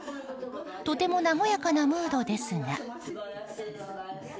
とても和やかなムードですが。